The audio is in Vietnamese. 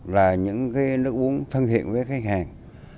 là những cái nước uống thân thiện với khách hàng